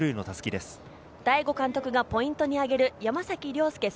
大後監督がポイントに挙げる山崎諒介